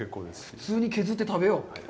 普通に削って食べよう。